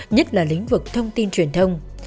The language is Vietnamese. nhất là lĩnh vực thông tin truyền thông